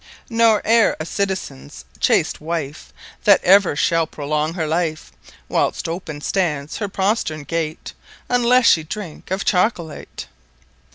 Nor e're a Citizen's Chast wife, That ever shall prolong her Life, (Whilst open stands Her Posterne Gate) Unlesse she drinke of Chocolate.